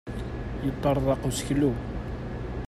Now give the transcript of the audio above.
Yeṭṭarḍaq useklu.